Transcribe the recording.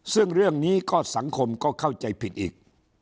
ซึ่งเรื่องนี้ก็สังคมก็เข้าใจผิดอีก